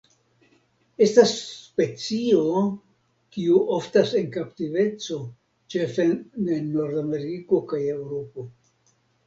Estas specio kiu oftas en kaptiveco ĉefe en Nordameriko kaj Eŭropo.